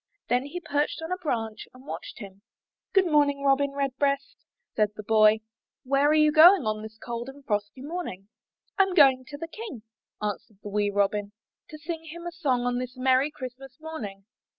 Then he perched on a branch and watched him. ''Good morning, Robin Redbreast," said the boy. 165 MY BOOK HOUSE * Where are you going on this cold and frosty morning?*' 'Tm going to the King," answered the wee Robin, ''to sing him a song on this merry Christ mas morning."